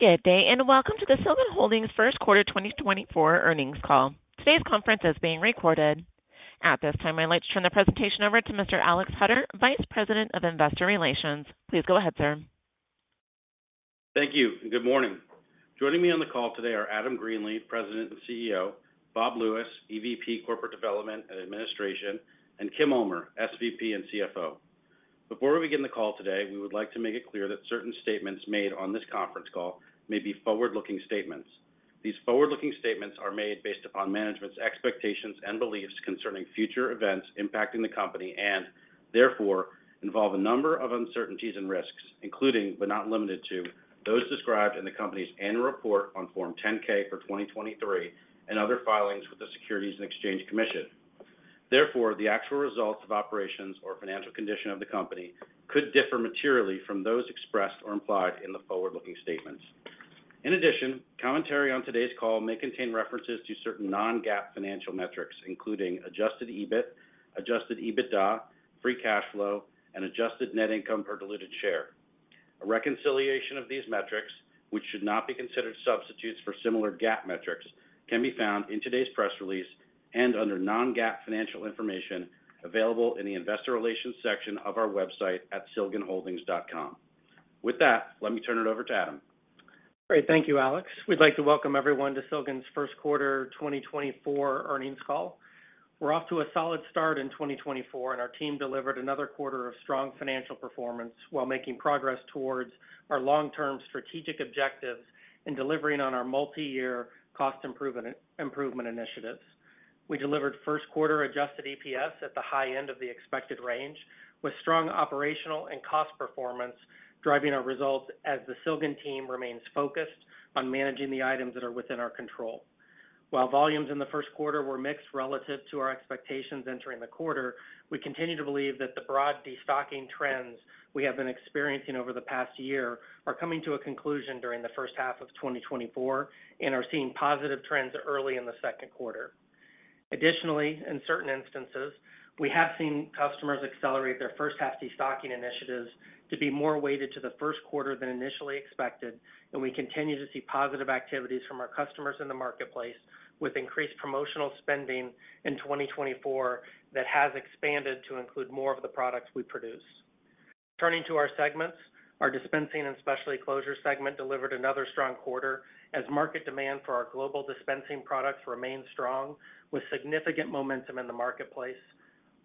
Good day and welcome to the Silgan Holdings First Quarter 2024 earnings call. Today's conference is being recorded. At this time, I'd like to turn the presentation over to Mr. Alex Hutter, Vice President of Investor Relations. Please go ahead, sir. Thank you and good morning. Joining me on the call today are Adam Greenlee, President and CEO, Bob Lewis, EVP Corporate Development and Administration, and Kim Ulmer, SVP and CFO. Before we begin the call today, we would like to make it clear that certain statements made on this conference call may be forward-looking statements. These forward-looking statements are made based upon management's expectations and beliefs concerning future events impacting the company and, therefore, involve a number of uncertainties and risks, including but not limited to, those described in the company's annual report on Form 10-K for 2023 and other filings with the Securities and Exchange Commission. Therefore, the actual results of operations or financial condition of the company could differ materially from those expressed or implied in the forward-looking statements. In addition, commentary on today's call may contain references to certain Non-GAAP financial metrics, including Adjusted EBIT, Adjusted EBITDA, Free Cash Flow, and Adjusted Net Income Per Diluted Share. A reconciliation of these metrics, which should not be considered substitutes for similar GAAP metrics, can be found in today's press release and under Non-GAAP financial information available in the Investor Relations section of our website at silganholdings.com. With that, let me turn it over to Adam. Great. Thank you, Alex. We'd like to welcome everyone to Silgan's First Quarter 2024 earnings call. We're off to a solid start in 2024, and our team delivered another quarter of strong financial performance while making progress towards our long-term strategic objectives in delivering on our multi-year cost improvement initiatives. We delivered first quarter adjusted EPS at the high end of the expected range, with strong operational and cost performance driving our results as the Silgan team remains focused on managing the items that are within our control. While volumes in the first quarter were mixed relative to our expectations entering the quarter, we continue to believe that the broad destocking trends we have been experiencing over the past year are coming to a conclusion during the first half of 2024 and are seeing positive trends early in the second quarter. Additionally, in certain instances, we have seen customers accelerate their first-half destocking initiatives to be more weighted to the first quarter than initially expected, and we continue to see positive activities from our customers in the marketplace with increased promotional spending in 2024 that has expanded to include more of the products we produce. Turning to our segments, our dispensing and specialty closure segment delivered another strong quarter as market demand for our global dispensing products remains strong, with significant momentum in the marketplace.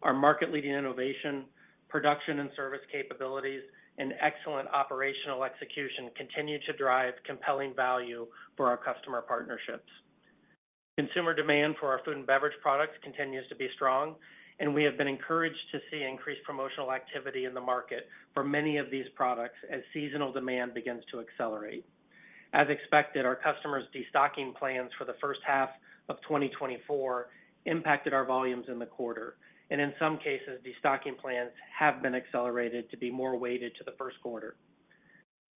Our market-leading innovation, production and service capabilities, and excellent operational execution continue to drive compelling value for our customer partnerships. Consumer demand for our food and beverage products continues to be strong, and we have been encouraged to see increased promotional activity in the market for many of these products as seasonal demand begins to accelerate. As expected, our customers' destocking plans for the first half of 2024 impacted our volumes in the quarter, and in some cases, destocking plans have been accelerated to be more weighted to the first quarter.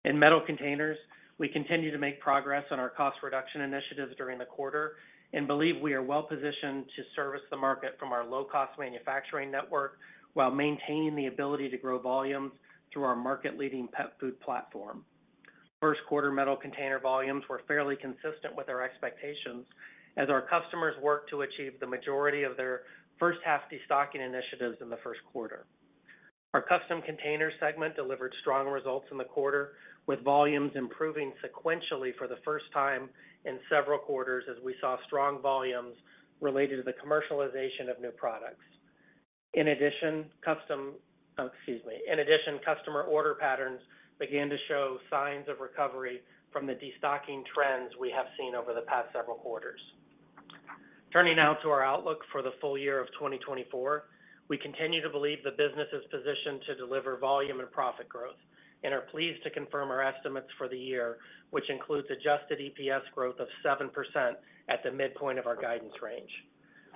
In Metal Containers, we continue to make progress on our cost reduction initiatives during the quarter and believe we are well positioned to service the market from our low-cost manufacturing network while maintaining the ability to grow volumes through our market-leading pet food platform. First quarter Metal Containers volumes were fairly consistent with our expectations as our customers worked to achieve the majority of their first-half destocking initiatives in the first quarter. Our Custom Containers segment delivered strong results in the quarter, with volumes improving sequentially for the first time in several quarters as we saw strong volumes related to the commercialization of new products. In addition, customer order patterns began to show signs of recovery from the destocking trends we have seen over the past several quarters. Turning now to our outlook for the full year of 2024, we continue to believe the business is positioned to deliver volume and profit growth and are pleased to confirm our estimates for the year, which includes adjusted EPS growth of 7% at the midpoint of our guidance range.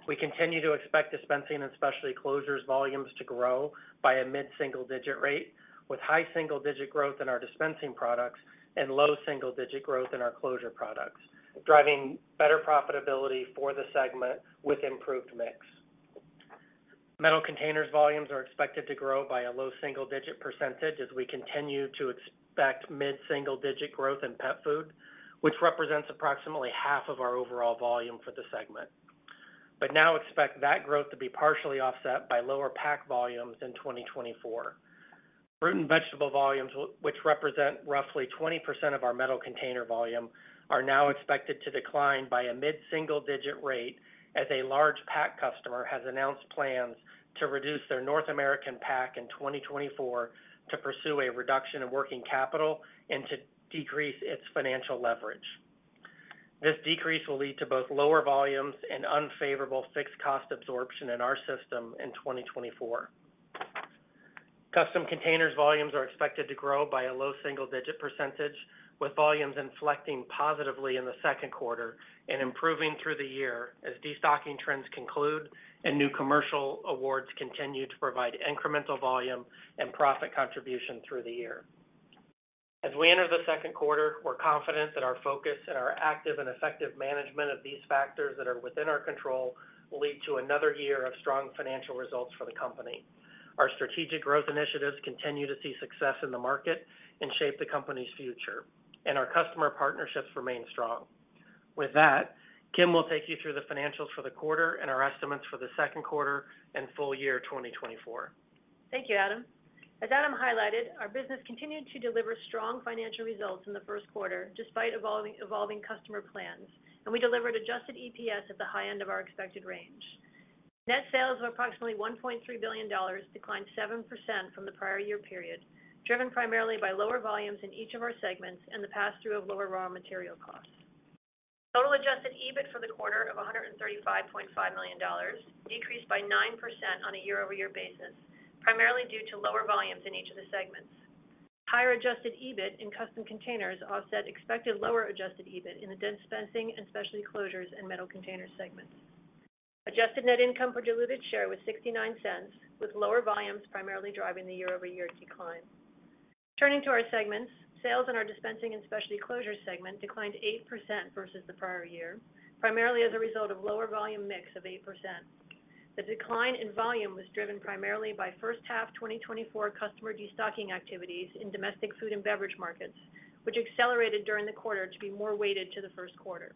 We continue to expect dispensing and specialty closures volumes to grow by a mid-single-digit rate, with high single-digit growth in our dispensing products and low single-digit growth in our closure products, driving better profitability for the segment with improved mix. Metal Containers volumes are expected to grow by a low single-digit percentage as we continue to expect mid-single-digit growth in pet food, which represents approximately half of our overall volume for the segment, but now expect that growth to be partially offset by lower pack volumes in 2024. Fruit and vegetable volumes, which represent roughly 20% of our Metal Container volume, are now expected to decline by a mid-single-digit rate as a large pack customer has announced plans to reduce their North American pack in 2024 to pursue a reduction in working capital and to decrease its financial leverage. This decrease will lead to both lower volumes and unfavorable fixed cost absorption in our system in 2024. Custom Containers volumes are expected to grow by a low single-digit percentage, with volumes inflecting positively in the second quarter and improving through the year as destocking trends conclude and new commercial awards continue to provide incremental volume and profit contribution through the year. As we enter the second quarter, we're confident that our focus and our active and effective management of these factors that are within our control will lead to another year of strong financial results for the company. Our strategic growth initiatives continue to see success in the market and shape the company's future, and our customer partnerships remain strong. With that, Kim will take you through the financials for the quarter and our estimates for the second quarter and full year 2024. Thank you, Adam. As Adam highlighted, our business continued to deliver strong financial results in the first quarter despite evolving customer plans, and we delivered adjusted EPS at the high end of our expected range. Net sales of approximately $1.3 billion declined 7% from the prior year period, driven primarily by lower volumes in each of our segments and the pass-through of lower raw material costs. Total adjusted EBIT for the quarter of $135.5 million, decreased by 9% on a year-over-year basis, primarily due to lower volumes in each of the segments. Higher adjusted EBIT in custom containers offset expected lower adjusted EBIT in the dispensing and specialty closures and metal container segments. Adjusted net income per diluted share was $0.69, with lower volumes primarily driving the year-over-year decline. Turning to our segments, sales in our dispensing and specialty closure segment declined 8% versus the prior year, primarily as a result of lower volume mix of 8%. The decline in volume was driven primarily by first-half 2024 customer destocking activities in domestic food and beverage markets, which accelerated during the quarter to be more weighted to the first quarter.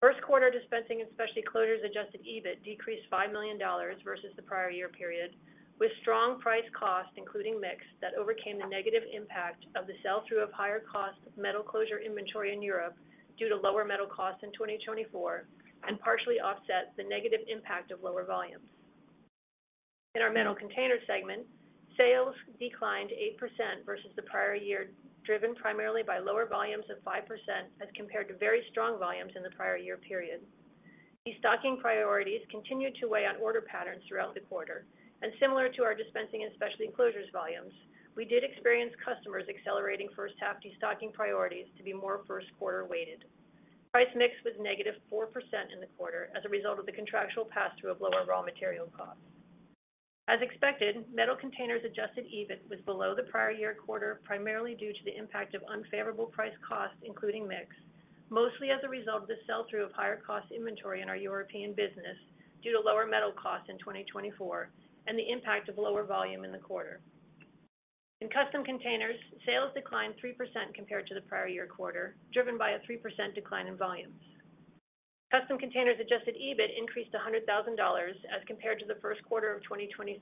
First quarter dispensing and specialty closures Adjusted EBIT decreased $5 million versus the prior year period, with strong price cost, including mix, that overcame the negative impact of the sell-through of higher-cost metal closure inventory in Europe due to lower metal costs in 2024 and partially offset the negative impact of lower volumes. In our metal container segment, sales declined 8% versus the prior year, driven primarily by lower volumes of 5% as compared to very strong volumes in the prior year period. Destocking priorities continued to weigh on order patterns throughout the quarter, and similar to our Dispensing and Specialty Closures volumes, we did experience customers accelerating first-half destocking priorities to be more first-quarter weighted. Price mix was negative 4% in the quarter as a result of the contractual pass-through of lower raw material costs. As expected, Metal Containers adjusted EBIT was below the prior year quarter, primarily due to the impact of unfavorable price costs, including mix, mostly as a result of the sell-through of higher-cost inventory in our European business due to lower metal costs in 2024 and the impact of lower volume in the quarter. In Custom Containers, sales declined 3% compared to the prior year quarter, driven by a 3% decline in volumes. Custom Containers Adjusted EBIT increased $100,000 as compared to the first quarter of 2023,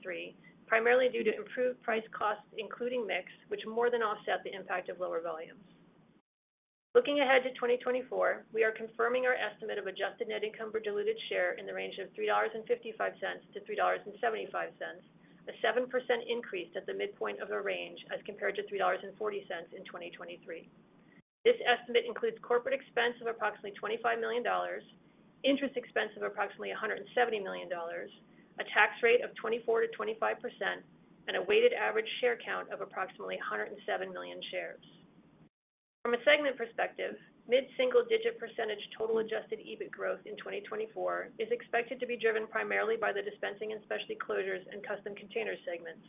primarily due to improved price costs, including mix, which more than offset the impact of lower volumes. Looking ahead to 2024, we are confirming our estimate of adjusted net income per diluted share in the range of $3.55 - $3.75, a 7% increase at the midpoint of the range as compared to $3.40 in 2023. This estimate includes corporate expense of approximately $25 million, interest expense of approximately $170 million, a tax rate of 24% - 25%, and a weighted average share count of approximately 107 million shares. From a segment perspective, mid-single-digit percentage total Adjusted EBIT growth in 2024 is expected to be driven primarily by the Dispensing and Specialty Closures and Custom Containers segments,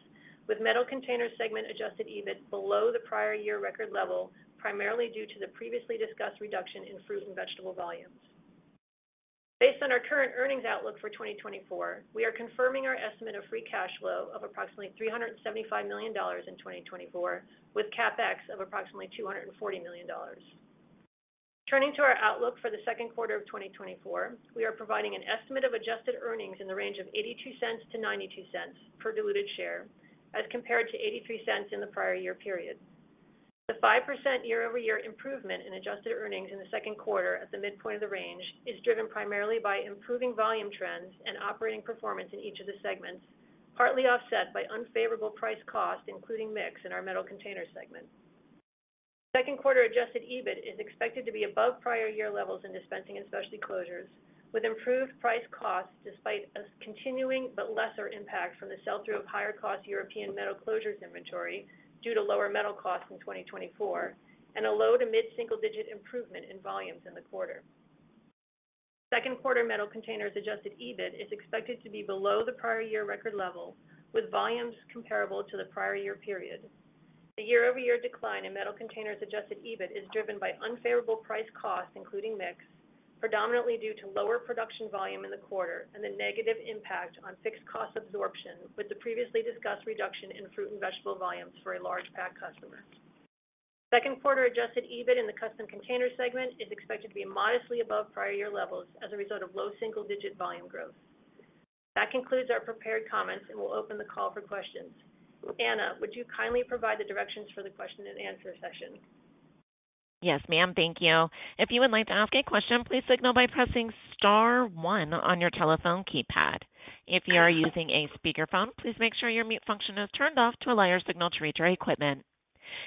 with Metal Containers segment Adjusted EBIT below the prior year record level, primarily due to the previously discussed reduction in fruit and vegetable volumes. Based on our current earnings outlook for 2024, we are confirming our estimate of Free Cash Flow of approximately $375 million in 2024, with Capex of approximately $240 million. Turning to our outlook for the second quarter of 2024, we are providing an estimate of adjusted earnings in the range of $0.82 - $0.92 per diluted share as compared to $0.83 in the prior year period. The 5% year-over-year improvement in adjusted earnings in the second quarter at the midpoint of the range is driven primarily by improving volume trends and operating performance in each of the segments, partly offset by unfavorable price costs, including mix in our Metal Containers segment. Second quarter Adjusted EBIT is expected to be above prior year levels in Dispensing and Specialty Closures, with improved price costs despite a continuing but lesser impact from the sell-through of higher-cost European metal closures inventory due to lower metal costs in 2024 and a low to mid-single-digit improvement in volumes in the quarter. Second quarter Metal Containers Adjusted EBIT is expected to be below the prior year record level, with volumes comparable to the prior year period. The year-over-year decline in Metal Containers adjusted EBIT is driven by unfavorable price costs, including mix, predominantly due to lower production volume in the quarter and the negative impact on fixed cost absorption, with the previously discussed reduction in fruit and vegetable volumes for a large pack customer. Second quarter adjusted EBIT in the Custom Container segment is expected to be modestly above prior year levels as a result of low single-digit volume growth. That concludes our prepared comments and will open the call for questions. Anna, would you kindly provide the directions for the question and answer session? Yes, ma'am. Thank you. If you would like to ask a question, please signal by pressing star one on your telephone keypad. If you are using a speakerphone, please make sure your mute function is turned off to allow your signal to reach your equipment.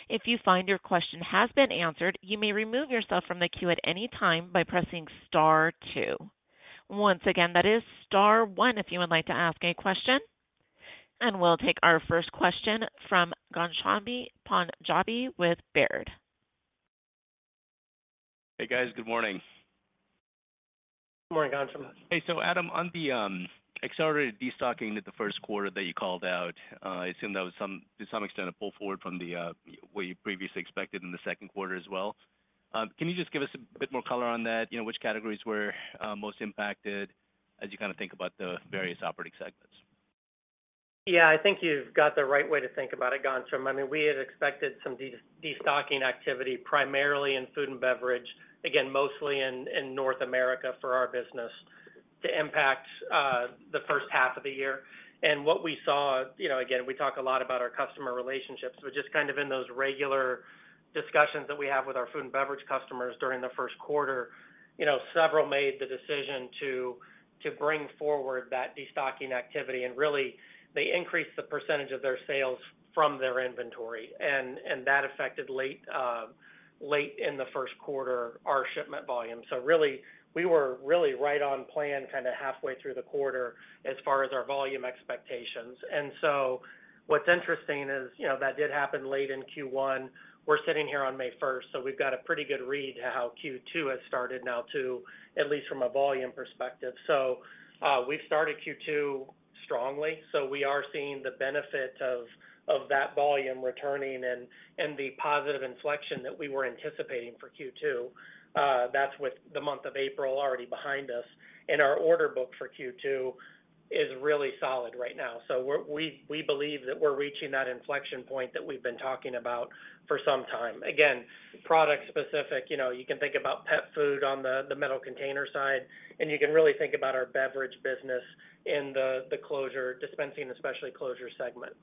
If you find your question has been answered, you may remove yourself from the queue at any time by pressing star two. Once again, that is star one if you would like to ask a question. We'll take our first question from Ghansham Panjabi with Baird. Hey, guys. Good morning. Good morning, Ghansham. Hey, so Adam, on the accelerated destocking of the first quarter that you called out, I assume that was some to some extent a pull forward from the what you previously expected in the second quarter as well. Can you just give us a bit more color on that? You know, which categories were most impacted as you kind of think about the various operating segments? Yeah, I think you've got the right way to think about it, Ghansham. I mean, we had expected some destocking activity primarily in food and beverage, again, mostly in North America for our business, to impact the first half of the year. And what we saw, you know, again, we talk a lot about our customer relationships, but just kind of in those regular discussions that we have with our food and beverage customers during the first quarter, you know, several made the decision to bring forward that destocking activity. And really, they increased the percentage of their sales from their inventory, and that affected late in the first quarter our shipment volumes. So really, we were really right on plan kind of halfway through the quarter as far as our volume expectations. And so what's interesting is, you know, that did happen late in Q1. We're sitting here on May 1st, so we've got a pretty good read to how Q2 has started now too, at least from a volume perspective. So, we've started Q2 strongly, so we are seeing the benefit of, of that volume returning and, and the positive inflection that we were anticipating for Q2. That's with the month of April already behind us. And our order book for Q2 is really solid right now. So we're, we, we believe that we're reaching that inflection point that we've been talking about for some time. Again, product-specific, you know, you can think about pet food on the, the metal container side, and you can really think about our beverage business in the, the closure, dispensing and specialty closure segment.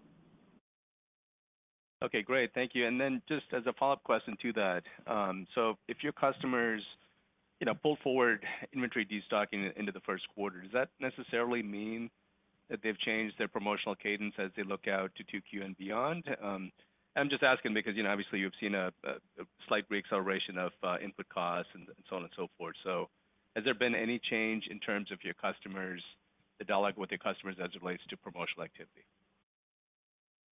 Okay, great. Thank you. And then just as a follow-up question to that, so if your customers, you know, pull forward inventory destocking into the first quarter, does that necessarily mean that they've changed their promotional cadence as they look out to 2Q and beyond? I'm just asking because, you know, obviously, you've seen a slight reacceleration of input costs and so on and so forth. So has there been any change in terms of your customers, the dialogue with your customers as it relates to promotional activity?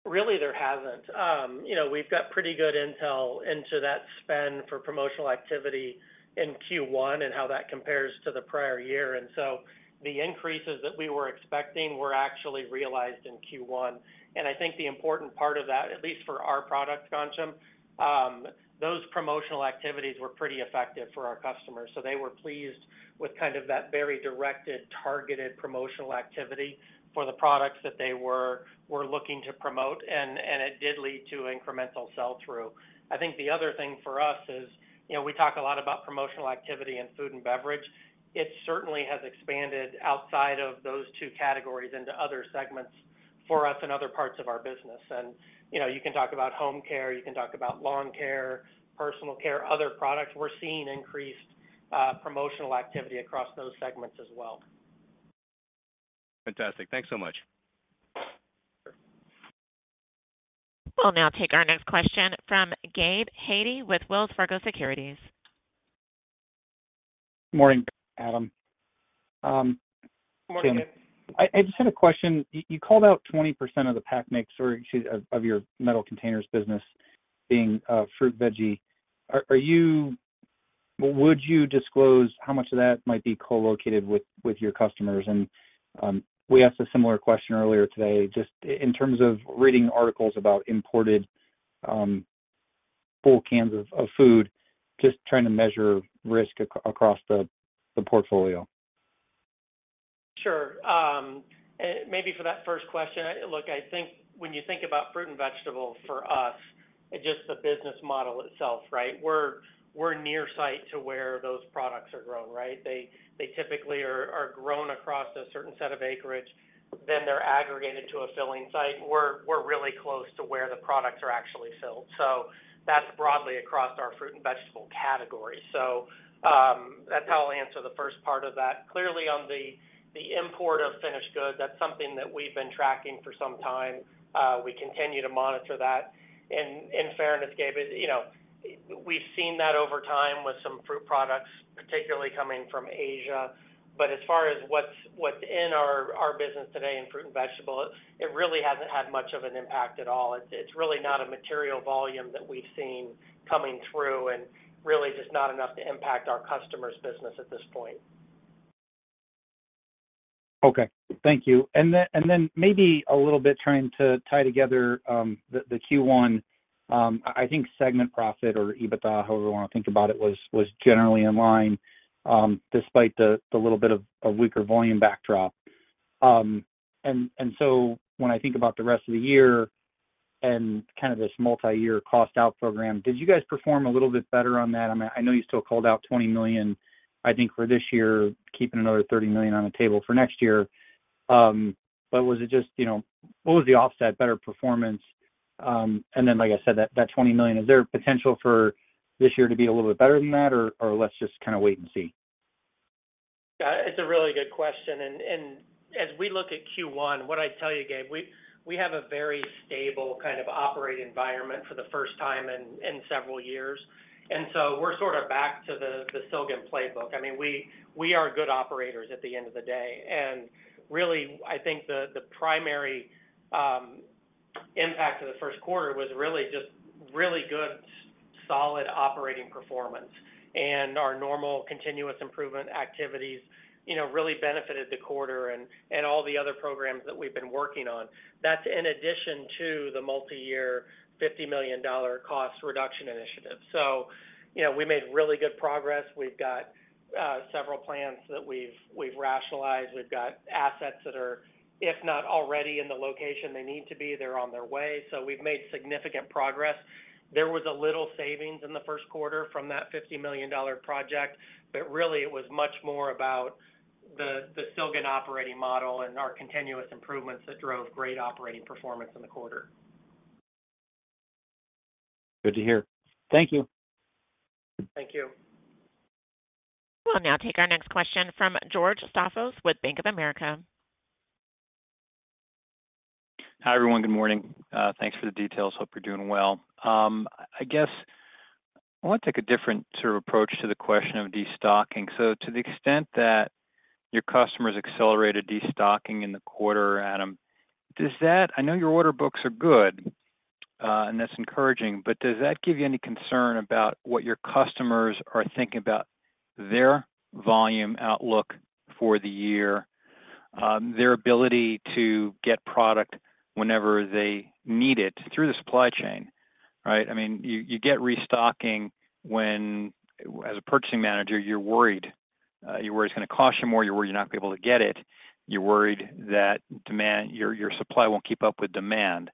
Really, there hasn't, you know, we've got pretty good intel into that spend for promotional activity in Q1 and how that compares to the prior year. And so the increases that we were expecting were actually realized in Q1. And I think the important part of that, at least for our product, Ghansham, those promotional activities were pretty effective for our customers. So they were pleased with kind of that very directed, targeted promotional activity for the products that they were, were looking to promote, and, and it did lead to incremental sell-through. I think the other thing for us is, you know, we talk a lot about promotional activity in food and beverage. It certainly has expanded outside of those two categories into other segments for us in other parts of our business. You know, you can talk about home care, you can talk about lawn care, personal care, other products. We're seeing increased promotional activity across those segments as well. Fantastic. Thanks so much. We'll now take our next question from Gabe Hajde with Wells Fargo Securities. Morning, Adam. Kim. Morning, Gabe. I just had a question. You called out 20% of the pack mix or, excuse me, of your metal containers business being fruit, veggie. Would you disclose how much of that might be co-located with your customers? And we asked a similar question earlier today, just in terms of reading articles about imported full cans of food, just trying to measure risk across the portfolio. Sure. Maybe for that first question, I look, I think when you think about fruit and vegetable for us, it just the business model itself, right? We're, we're near-site to where those products are grown, right? They, they typically are, are grown across a certain set of acreage. Then they're aggregated to a filling site. We're, we're really close to where the products are actually filled. So that's broadly across our fruit and vegetable category. So, that's how I'll answer the first part of that. Clearly, on the, the import of finished goods, that's something that we've been tracking for some time. We continue to monitor that. In fairness, Gabe, it, you know, we've seen that over time with some fruit products, particularly coming from Asia. But as far as what's in our business today in fruit and vegetable, it really hasn't had much of an impact at all. It's really not a material volume that we've seen coming through and really just not enough to impact our customer's business at this point. Okay. Thank you. And then maybe a little bit trying to tie together, the Q1, I think segment profit or EBITDA, however you wanna think about it, was generally in line, despite the little bit of weaker volume backdrop. And so when I think about the rest of the year and kind of this multi-year cost-out program, did you guys perform a little bit better on that? I mean, I know you still called out $20 million, I think, for this year, keeping another $30 million on the table for next year. But was it just, you know, what was the offset, better performance? And then, like I said, that $20 million, is there potential for this year to be a little bit better than that, or let's just kind of wait and see? Yeah, it's a really good question. And as we look at Q1, what I'd tell you, Gabe, we have a very stable kind of operating environment for the first time in several years. And so we're sort of back to the Silgan playbook. I mean, we are good operators at the end of the day. And really, I think the primary impact of the first quarter was really just really good solid operating performance. And our normal continuous improvement activities, you know, really benefited the quarter and all the other programs that we've been working on. That's in addition to the multi-year $50 million cost reduction initiative. So, you know, we made really good progress. We've got several plans that we've rationalized. We've got assets that are, if not already, in the location they need to be. They're on their way. So we've made significant progress. There was a little savings in the first quarter from that $50 million project, but really, it was much more about the Silgan operating model and our continuous improvements that drove great operating performance in the quarter. Good to hear. Thank you. Thank you. We'll now take our next question from George Staphos with Bank of America. Hi, everyone. Good morning. Thanks for the details. Hope you're doing well. I, I guess I wanna take a different sort of approach to the question of destocking. So to the extent that your customers accelerated destocking in the quarter, Adam, does that? I know your order books are good, and that's encouraging, but does that give you any concern about what your customers are thinking about their volume outlook for the year, their ability to get product whenever they need it through the supply chain, right? I mean, you, you get restocking when as a purchasing manager, you're worried, you're worried it's gonna cost you more. You're worried you're not gonna be able to get it. You're worried that demand your, your supply won't keep up with demand.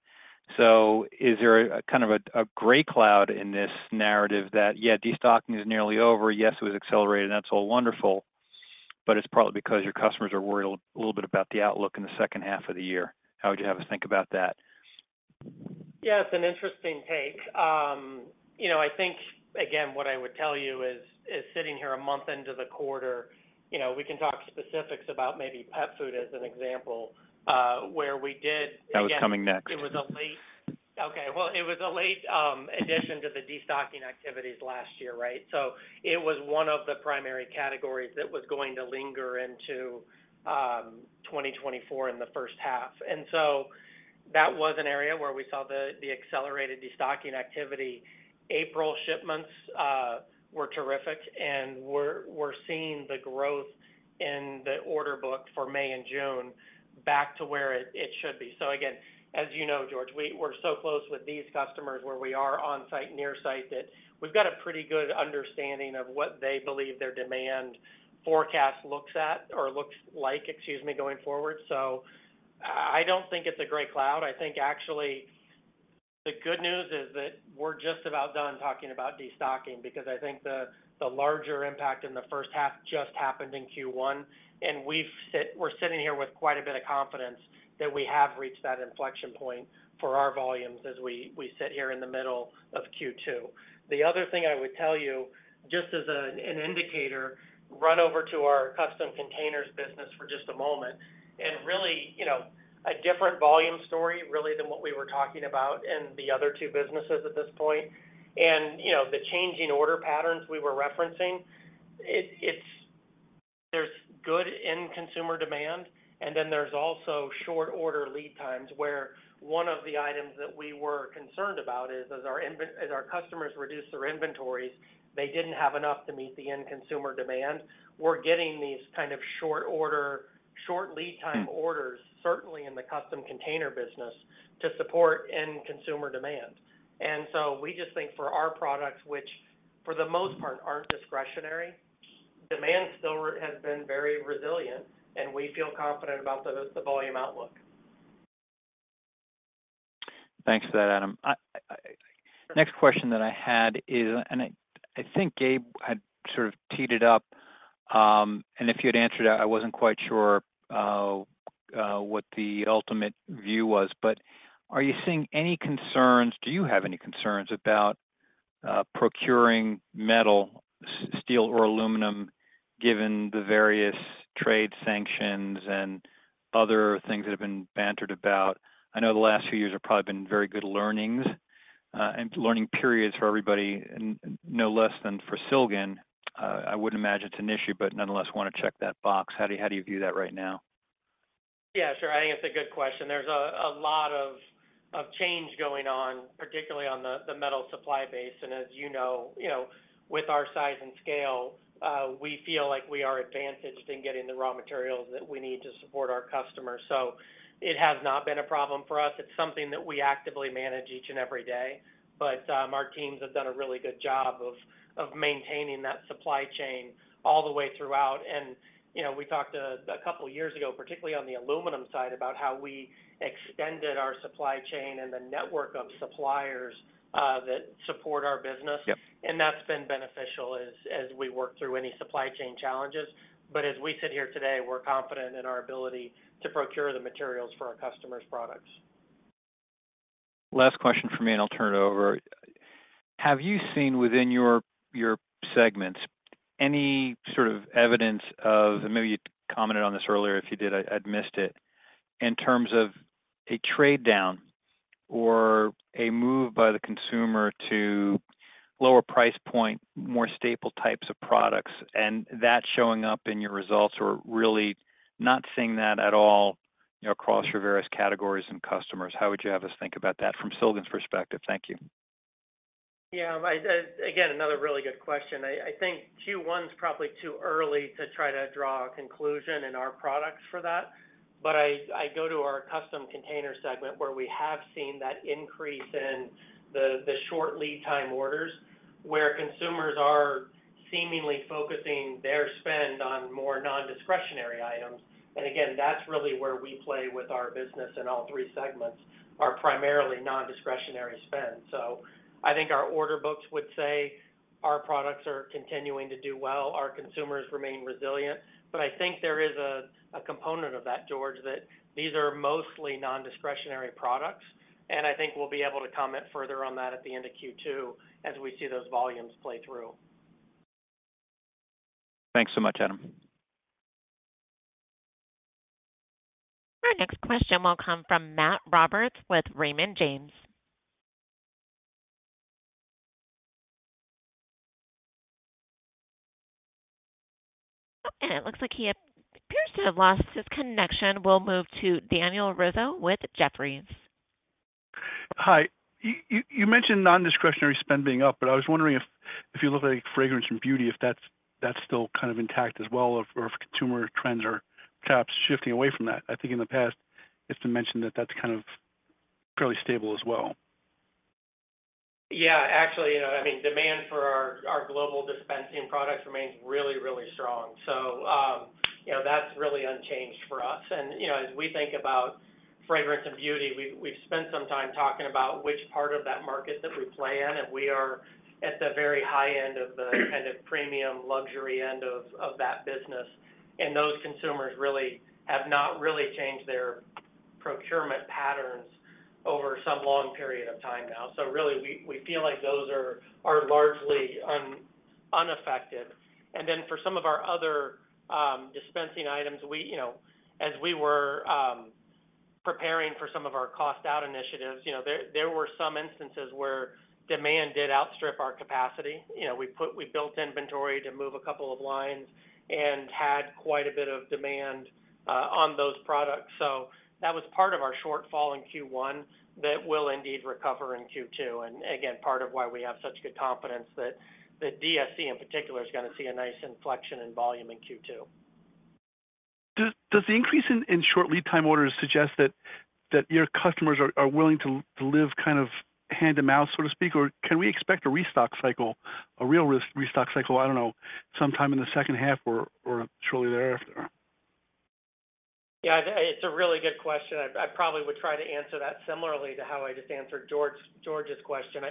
So is there a, a kind of a, a gray cloud in this narrative that, yeah, destocking is nearly over? Yes, it was accelerated. That's all wonderful. But it's partly because your customers are worried a little bit about the outlook in the second half of the year. How would you have us think about that? Yeah, it's an interesting take. You know, I think, again, what I would tell you is sitting here a month into the quarter, you know, we can talk specifics about maybe pet food as an example, where we did. That was coming next. Well, it was a late addition to the destocking activities last year, right? So it was one of the primary categories that was going to linger into 2024 in the first half. And so that was an area where we saw the accelerated destocking activity. April shipments were terrific, and we're seeing the growth in the order book for May and June back to where it should be. So again, as you know, George, we're so close with these customers where we are on-site, near-site, that we've got a pretty good understanding of what they believe their demand forecast looks at or looks like, excuse me, going forward. So I don't think it's a gray cloud. I think actually, the good news is that we're just about done talking about destocking because I think the larger impact in the first half just happened in Q1. And we're sitting here with quite a bit of confidence that we have reached that inflection point for our volumes as we sit here in the middle of Q2. The other thing I would tell you, just as an indicator, run over to our custom containers business for just a moment and really, you know, a different volume story, really, than what we were talking about in the other two businesses at this point. You know, the changing order patterns we were referencing, it's, there's good end-consumer demand, and then there's also short-order lead times where one of the items that we were concerned about is, as our customers reduced their inventories, they didn't have enough to meet the end-consumer demand. We're getting these kind of short-order, short lead-time orders, certainly in the custom container business, to support end-consumer demand. And so we just think for our products, which for the most part aren't discretionary, demand still remains very resilient, and we feel confident about the volume outlook. Thanks for that, Adam. My next question that I had is, and I think Gabe had sort of teed it up, and if you had answered it, I wasn't quite sure what the ultimate view was. But are you seeing any concerns? Do you have any concerns about procuring metal, steel, or aluminum given the various trade sanctions and other things that have been bantered about? I know the last few years have probably been very good learnings and learning periods for everybody, no less than for Silgan. I wouldn't imagine it's an issue, but nonetheless, wanna check that box. How do you view that right now? Yeah, sure. I think it's a good question. There's a lot of change going on, particularly on the metal supply base. And as you know, you know, with our size and scale, we feel like we are advantaged in getting the raw materials that we need to support our customers. So it has not been a problem for us. It's something that we actively manage each and every day. But our teams have done a really good job of maintaining that supply chain all the way throughout. And you know, we talked a couple of years ago, particularly on the aluminum side, about how we extended our supply chain and the network of suppliers that support our business. Yep. That's been beneficial as we work through any supply chain challenges. But as we sit here today, we're confident in our ability to procure the materials for our customers' products. Last question for me, and I'll turn it over. Have you seen within your, your segments any sort of evidence of and maybe you commented on this earlier if you did. I, I missed it. In terms of a trade down or a move by the consumer to lower price point, more staple types of products, and that showing up in your results or really not seeing that at all, you know, across your various categories and customers, how would you have us think about that from Silgan's perspective? Thank you. Yeah. My, again, another really good question. I, I think Q1's probably too early to try to draw a conclusion in our products for that. But I, I go to our Custom Containers segment where we have seen that increase in the, the short lead-time orders where consumers are seemingly focusing their spend on more nondiscretionary items. And again, that's really where we play with our business in all three segments, are primarily nondiscretionary spend. So I think our order books would say our products are continuing to do well. Our consumers remain resilient. But I think there is a, a component of that, George, that these are mostly nondiscretionary products. And I think we'll be able to comment further on that at the end of Q2 as we see those volumes play through. Thanks so much, Adam. Our next question will come from Matt Roberts with Raymond James. Oh, and it looks like he appears to have lost his connection. We'll move to Daniel Rizzo with Jefferies. Hi. You mentioned nondiscretionary spend being up, but I was wondering if you look at, like, fragrance and beauty, if that's still kind of intact as well or if consumer trends are perhaps shifting away from that? I think in the past, it's been mentioned that that's kind of fairly stable as well. Yeah, actually, you know, I mean, demand for our, our global dispensing products remains really, really strong. So, you know, that's really unchanged for us. And, you know, as we think about fragrance and beauty, we've, we've spent some time talking about which part of that market that we play in. And we are at the very high end of the kind of premium luxury end of, of that business. And those consumers really have not really changed their procurement patterns over some long period of time now. So really, we, we feel like those are, are largely unaffected. And then for some of our other, dispensing items, we, you know, as we were, preparing for some of our cost-out initiatives, you know, there, there were some instances where demand did outstrip our capacity. You know, we built inventory to move a couple of lines and had quite a bit of demand on those products. So that was part of our shortfall in Q1 that will indeed recover in Q2. And again, part of why we have such good confidence that DSC in particular is gonna see a nice inflection in volume in Q2. Does the increase in short lead-time orders suggest that your customers are willing to live kind of hand-to-mouth, so to speak, or can we expect a restock cycle, a real restock cycle, I don't know, sometime in the second half or shortly thereafter? Yeah, it's a really good question. I probably would try to answer that similarly to how I just answered George's question.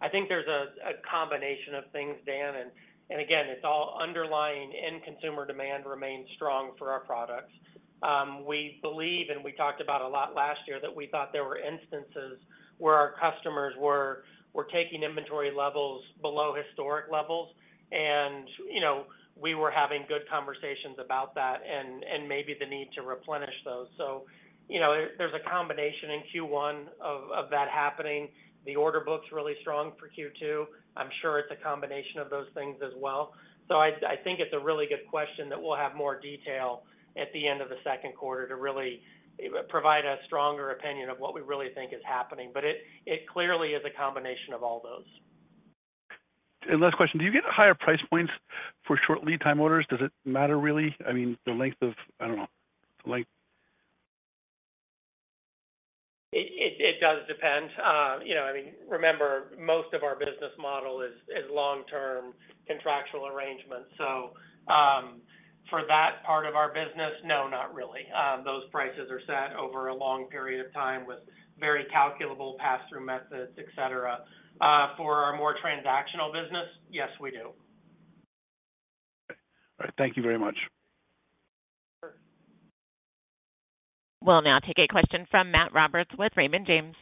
I think there's a combination of things, Dan. And again, it's all underlying end-consumer demand remains strong for our products. We believe and we talked about a lot last year that we thought there were instances where our customers were taking inventory levels below historic levels. And, you know, we were having good conversations about that and maybe the need to replenish those. So, you know, there's a combination in Q1 of that happening. The order book's really strong for Q2. I'm sure it's a combination of those things as well. So I think it's a really good question that we'll have more detail at the end of the second quarter to really, provide a stronger opinion of what we really think is happening. But it clearly is a combination of all those. Last question. Do you get higher price points for short lead-time orders? Does it matter really? I mean, the length of I don't know. The length. It does depend. You know, I mean, remember, most of our business model is long-term contractual arrangements. So, for that part of our business, no, not really. Those prices are set over a long period of time with very calculable pass-through methods, etc. For our more transactional business, yes, we do. Okay. All right. Thank you very much. We'll now take a question from Matt Roberts with Raymond James.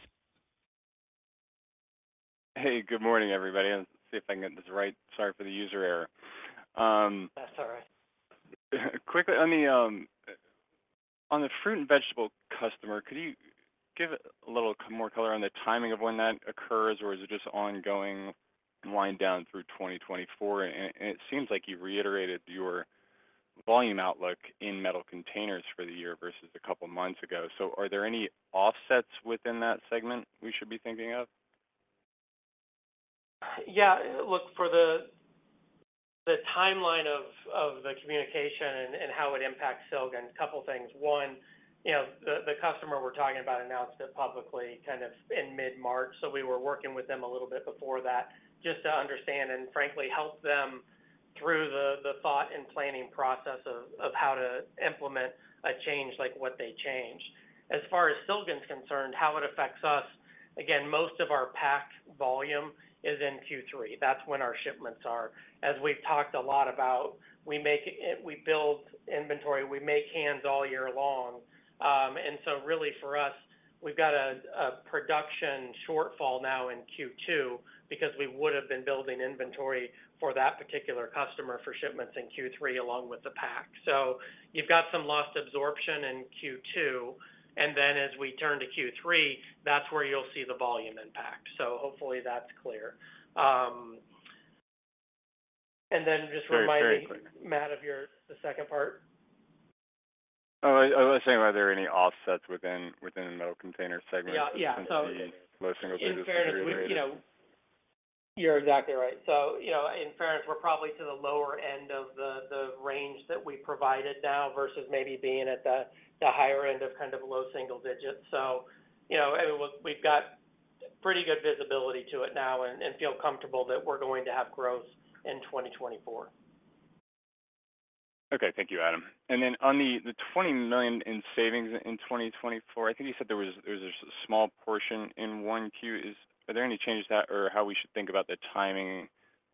Hey. Good morning, everybody. Let's see if I can get this right. Sorry for the user error. That's all right. Quickly, on the fruit and vegetable customer, could you give a little more color on the timing of when that occurs, or is it just ongoing wind down through 2024? And it seems like you reiterated your volume outlook in metal containers for the year versus a couple of months ago. So are there any offsets within that segment we should be thinking of? Yeah. Look, for the timeline of the communication and how it impacts Silgan, couple of things. One, you know, the customer we're talking about announced it publicly kind of in mid-March. So we were working with them a little bit before that just to understand and, frankly, help them through the thought and planning process of how to implement a change like what they changed. As far as Silgan's concerned, how it affects us, again, most of our pack volume is in Q3. That's when our shipments are. As we've talked a lot about, we make, we build inventory. We make cans all year long. And so really, for us, we've got a production shortfall now in Q2 because we would have been building inventory for that particular customer for shipments in Q3 along with the pack. So you've got some lost absorption in Q2. And then as we turn to Q3, that's where you'll see the volume impact. So hopefully, that's clear. And then just reminding. Sure. Very quickly. Matt, of your the second part. Oh, I was saying, are there any offsets within the metal container segment? Yeah. Yeah. So in. Since the low single-digit period. In fairness, we've, you know you're exactly right. So, you know, in fairness, we're probably to the lower end of the range that we provided now versus maybe being at the higher end of kind of low single-digit. So, you know, I mean, we've got pretty good visibility to it now and feel comfortable that we're going to have growth in 2024. Okay. Thank you, Adam. And then on the $20 million in savings in 2024, I think you said there was a small portion in 1Q. Are there any changes to that or how we should think about the timing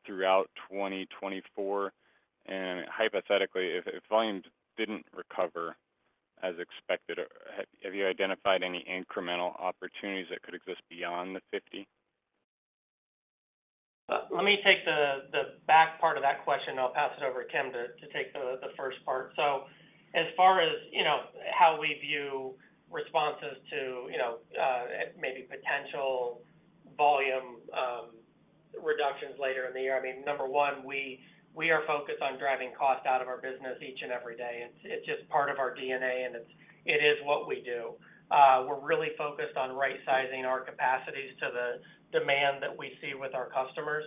throughout 2024? And hypothetically, if volume didn't recover as expected, or have you identified any incremental opportunities that could exist beyond the $50 million? Let me take the back part of that question, and I'll pass it over to Kim to take the first part. So as far as, you know, how we view responses to, you know, maybe potential volume reductions later in the year, I mean, number one, we are focused on driving cost out of our business each and every day. It's just part of our DNA, and it is what we do. We're really focused on right-sizing our capacities to the demand that we see with our customers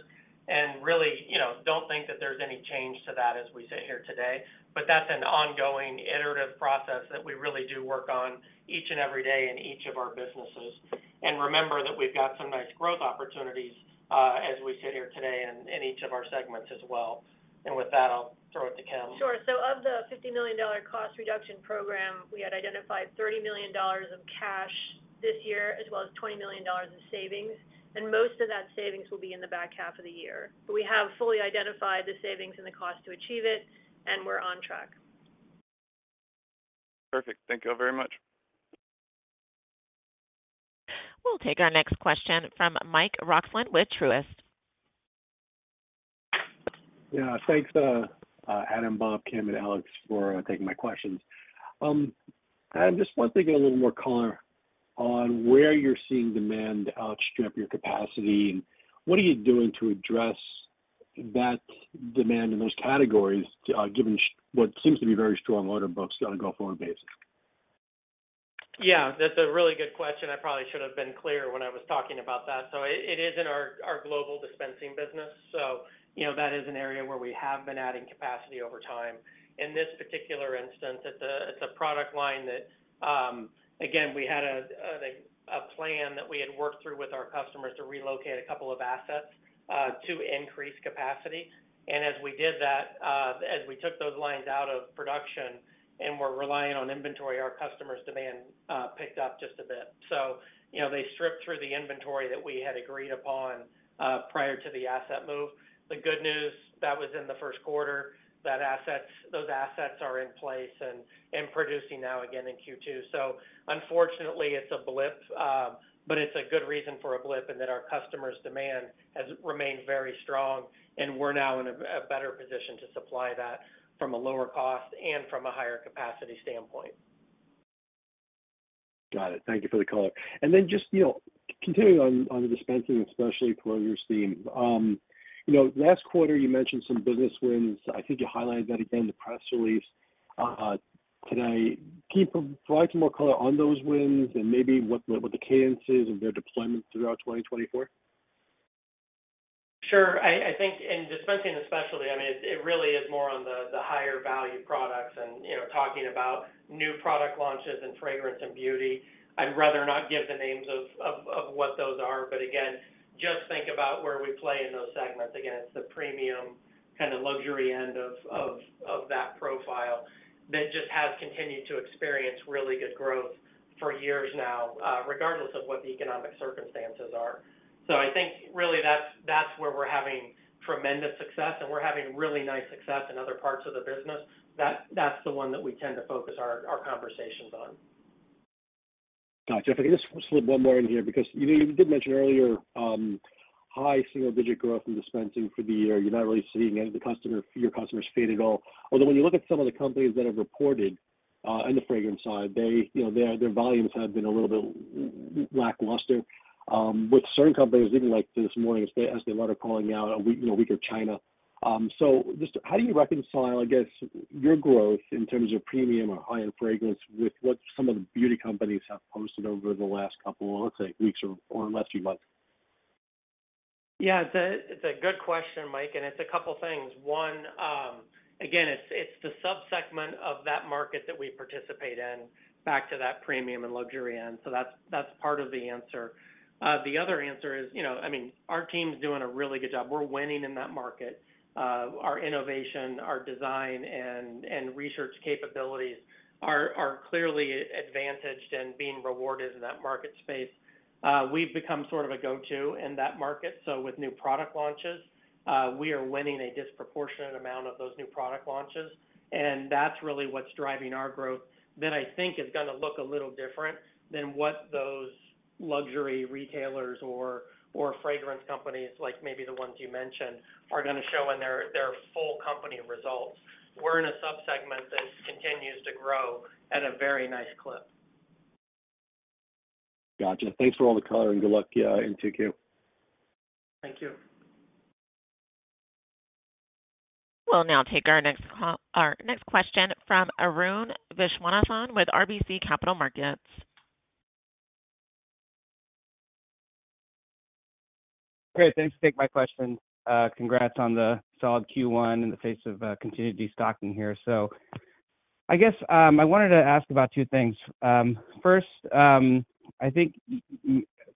and really, you know, don't think that there's any change to that as we sit here today. But that's an ongoing iterative process that we really do work on each and every day in each of our businesses. Remember that we've got some nice growth opportunities, as we sit here today in each of our segments as well. With that, I'll throw it to Kim. Sure. So of the $50 million cost reduction program, we had identified $30 million of cash this year as well as $20 million of savings. Most of that savings will be in the back half of the year. We have fully identified the savings and the cost to achieve it, and we're on track. Perfect. Thank you all very much. We'll take our next question from Mike Roxland with Truist. Yeah. Thanks, Adam, Bob, Kim, and Alex, for taking my questions. Adam, just wanted to get a little more color on where you're seeing demand outstrip your capacity? And what are you doing to address that demand in those categories, given what seems to be very strong order books on a go forward basis? Yeah. That's a really good question. I probably should have been clear when I was talking about that. So it is in our global dispensing business. So, you know, that is an area where we have been adding capacity over time. In this particular instance, it's a product line that, again, we had like a plan that we had worked through with our customers to relocate a couple of assets, to increase capacity. And as we did that, as we took those lines out of production and were relying on inventory, our customers' demand picked up just a bit. So, you know, they stripped through the inventory that we had agreed upon, prior to the asset move. The good news, that was in the first quarter, those assets are in place and producing now again in Q2. Unfortunately, it's a blip, but it's a good reason for a blip in that our customers' demand has remained very strong. We're now in a better position to supply that from a lower cost and from a higher capacity standpoint. Got it. Thank you for the color. And then, just, you know, continuing on the dispensing, especially for your segment, you know, last quarter, you mentioned some business wins. I think you highlighted that again in the press release today. Can you provide some more color on those wins and maybe what the cadence is of their deployment throughout 2024? Sure. I think in dispensing especially, I mean, it really is more on the higher-value products and, you know, talking about new product launches in fragrance and beauty. I'd rather not give the names of what those are. But again, just think about where we play in those segments. Again, it's the premium kind of luxury end of that profile that just has continued to experience really good growth for years now, regardless of what the economic circumstances are. So I think really, that's where we're having tremendous success, and we're having really nice success in other parts of the business. That's the one that we tend to focus our conversations on. Gotcha. If I can just slip one more in here because, you know, you did mention earlier, high single-digit growth in dispensing for the year. You're not really seeing any of your customers fade at all. Although when you look at some of the companies that have reported, on the fragrance side, they, you know, their volumes have been a little bit lackluster with certain companies, even like this morning, as they are calling out weakness in China. So just how do you reconcile, I guess, your growth in terms of premium or high-end fragrance with what some of the beauty companies have posted over the last couple, let's say, weeks or, or the last few months? Yeah. It's a good question, Mike. And it's a couple of things. One, again, it's the subsegment of that market that we participate in back to that premium and luxury end. So that's part of the answer. The other answer is, you know, I mean, our team's doing a really good job. We're winning in that market. Our innovation, our design, and research capabilities are clearly advantaged and being rewarded in that market space. We've become sort of a go-to in that market. So with new product launches, we are winning a disproportionate amount of those new product launches. And that's really what's driving our growth that I think is gonna look a little different than what those luxury retailers or fragrance companies, like maybe the ones you mentioned, are gonna show in their full company results. We're in a subsegment that continues to grow at a very nice clip. Gotcha. Thanks for all the color, and good luck, and take care. Thank you. We'll now take our next question from Arun Viswanathan with RBC Capital Markets. Great. Thanks for taking my question. Congrats on the solid Q1 in the face of continued de-stocking here. So I guess I wanted to ask about two things. First, I think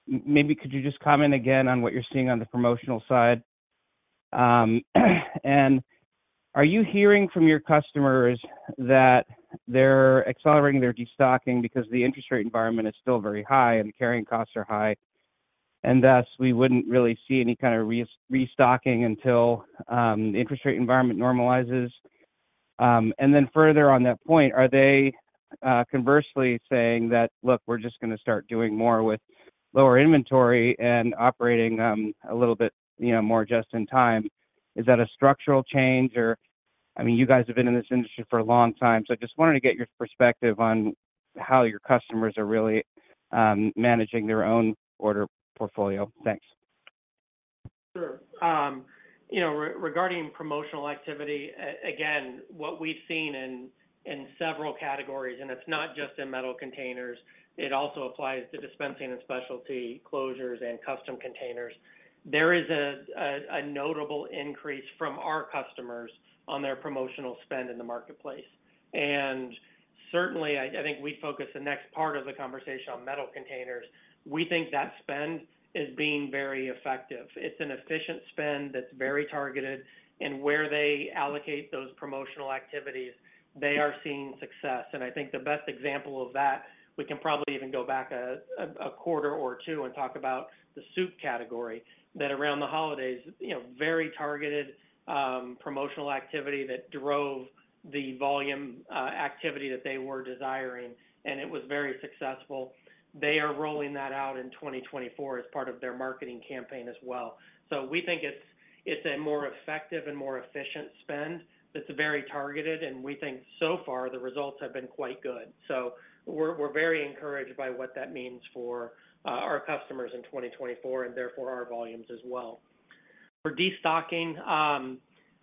maybe could you just comment again on what you're seeing on the promotional side? And are you hearing from your customers that they're accelerating their de-stocking because the interest rate environment is still very high and the carrying costs are high, and thus we wouldn't really see any kind of re-stocking until the interest rate environment normalizes? And then further on that point, are they conversely saying that, "Look, we're just gonna start doing more with lower inventory and operating a little bit, you know, more just in time"? Is that a structural change, or I mean, you guys have been in this industry for a long time. I just wanted to get your perspective on how your customers are really managing their own order portfolio. Thanks. Sure. You know, regarding promotional activity, again, what we've seen in several categories - and it's not just in metal containers. It also applies to dispensing and specialty closures and custom containers - there is a notable increase from our customers on their promotional spend in the marketplace. And certainly, I think we'd focus the next part of the conversation on metal containers. We think that spend is being very effective. It's an efficient spend that's very targeted. And where they allocate those promotional activities, they are seeing success. And I think the best example of that we can probably even go back a quarter or two and talk about the soup category that around the holidays, you know, very targeted, promotional activity that drove the volume, activity that they were desiring, and it was very successful. They are rolling that out in 2024 as part of their marketing campaign as well. So we think it's a more effective and more efficient spend that's very targeted. And we think so far, the results have been quite good. So we're very encouraged by what that means for our customers in 2024 and therefore our volumes as well. For destocking,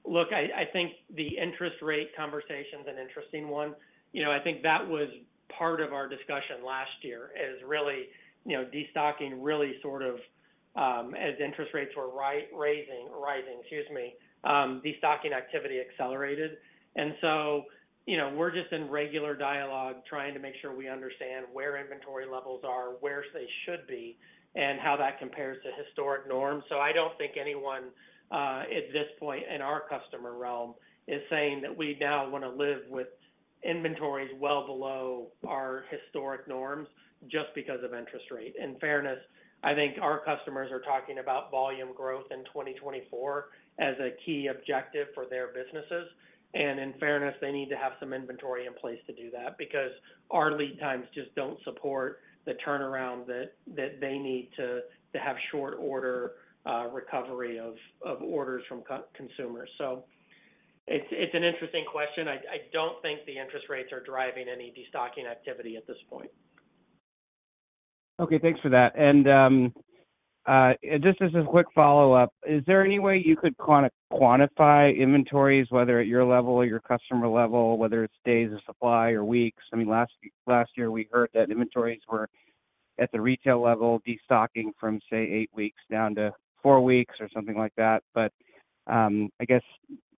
look, I think the interest rate conversation's an interesting one. You know, I think that was part of our discussion last year is really, you know, destocking really sort of, as interest rates were rising, excuse me, destocking activity accelerated. And so, you know, we're just in regular dialogue trying to make sure we understand where inventory levels are, where they should be, and how that compares to historic norms. So I don't think anyone, at this point in our customer realm, is saying that we now wanna live with inventories well below our historic norms just because of interest rate. In fairness, I think our customers are talking about volume growth in 2024 as a key objective for their businesses. And in fairness, they need to have some inventory in place to do that because our lead times just don't support the turnaround that they need to have short order, recovery of orders from consumers. So it's an interesting question. I don't think the interest rates are driving any de-stocking activity at this point. Okay. Thanks for that. And, just as a quick follow-up, is there any way you could quantify inventories, whether at your level or your customer level, whether it stays as supply or weeks? I mean, last year, we heard that inventories were at the retail level, destocking from, say, eight weeks down to four weeks or something like that. But, I guess,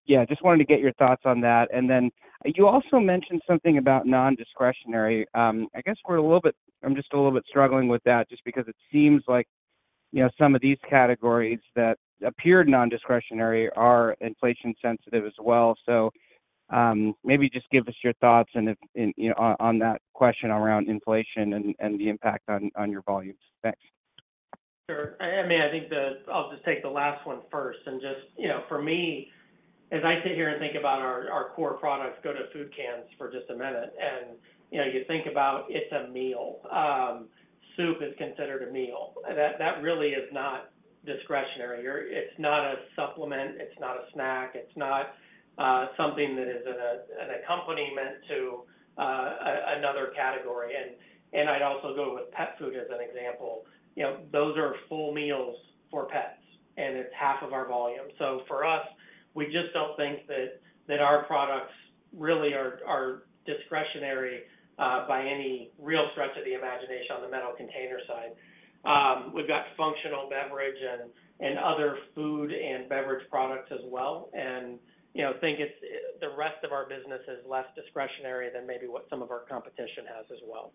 yeah, just wanted to get your thoughts on that. And then you also mentioned something about nondiscretionary. I guess I'm just a little bit struggling with that just because it seems like, you know, some of these categories that appeared nondiscretionary are inflation-sensitive as well. So, maybe just give us your thoughts and, you know, on that question around inflation and the impact on your volumes. Thanks. Sure. I mean, I think I'll just take the last one first and just, you know, for me, as I sit here and think about our core products, go to food cans for just a minute. And, you know, you think about it's a meal. Soup is considered a meal. That really is not discretionary. It, it's not a supplement. It's not a snack. It's not something that is an accompaniment to another category. And I'd also go with pet food as an example. You know, those are full meals for pets, and it's half of our volume. So for us, we just don't think that our products really are discretionary, by any real stretch of the imagination on the metal container side. We've got functional beverage and other food and beverage products as well. You know, I think it's the rest of our business is less discretionary than maybe what some of our competition has as well.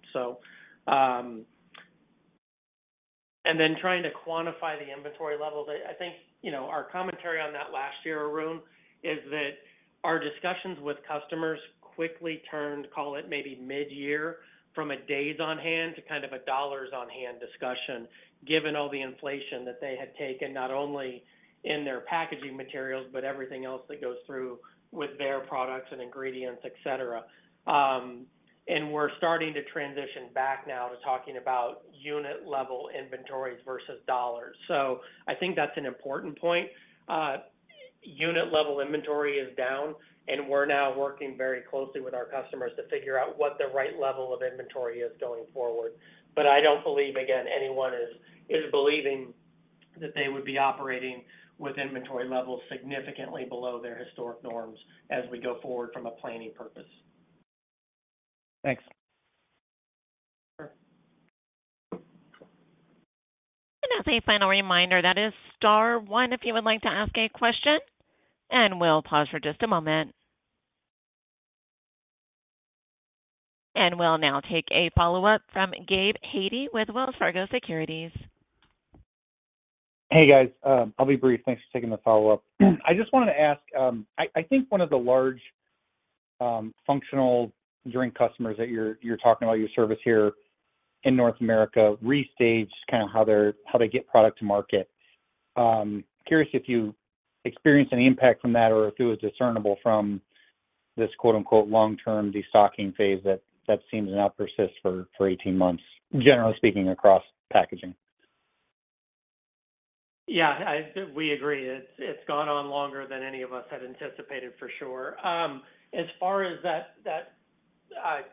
So, and then trying to quantify the inventory levels, I, I think, you know, our commentary on that last year, Arun, is that our discussions with customers quickly turned, call it maybe mid-year, from a days-on-hand to kind of a dollars-on-hand discussion given all the inflation that they had taken not only in their packaging materials but everything else that goes through with their products and ingredients, etc. and we're starting to transition back now to talking about unit-level inventories versus dollars. So I think that's an important point. Unit-level inventory is down, and we're now working very closely with our customers to figure out what the right level of inventory is going forward. But I don't believe, again, anyone is believing that they would be operating with inventory levels significantly below their historic norms as we go forward from a planning purpose. Thanks. Sure. As a final reminder, that is star one if you would like to ask a question. We'll pause for just a moment. We'll now take a follow-up from Gabe Hajde with Wells Fargo Securities. Hey, guys. I'll be brief. Thanks for taking the follow-up. I just wanted to ask, I think one of the large, functional drink customers that you're talking about, you serve here in North America restaged kind of how they get product to market. Curious if you experienced any impact from that or if it was discernible from this quote-unquote "long-term de-stocking phase" that seems now persists for 18 months, generally speaking, across packaging. Yeah. I, we agree. It's gone on longer than any of us had anticipated for sure. As far as that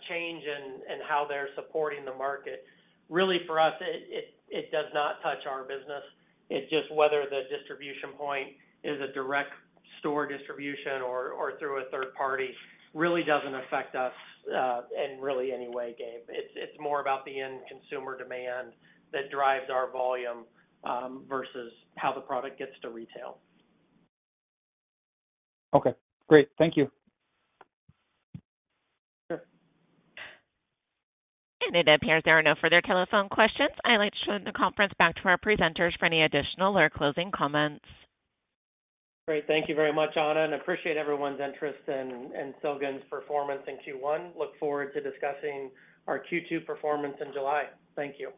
change and how they're supporting the market, really, for us, it does not touch our business. It just whether the distribution point is a direct store distribution or through a third party really doesn't affect us in really any way, Gabe. It's more about the end consumer demand that drives our volume, versus how the product gets to retail. Okay. Great. Thank you. Sure. It appears there are no further telephone questions. I'd like to turn the conference back to our presenters for any additional or closing comments. Great. Thank you very much, Anna. Appreciate everyone's interest in Silgan's performance in Q1. Look forward to discussing our Q2 performance in July. Thank you.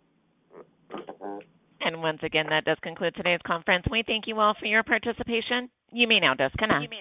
Once again, that does conclude today's conference. We thank you all for your participation. You may now disconnect.